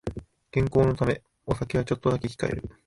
健康のためお酒はちょっとだけ控える